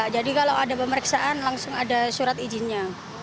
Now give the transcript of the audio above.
jadi kalau ada pemeriksaan langsung ada surat izinnya